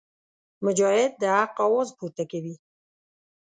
مجاهد د حق اواز پورته کوي.